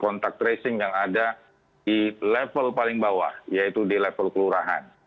kontak tracing yang ada di level paling bawah yaitu di level kelurahan